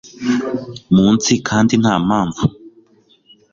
munsi kandi nta mpamvu